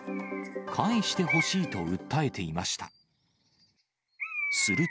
返してほしいと訴えていました。